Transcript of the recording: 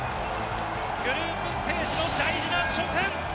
グループステージの大事な初戦